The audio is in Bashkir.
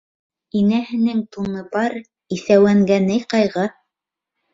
Инәһенең туны бар Иҫәүәнгә ни ҡайғы?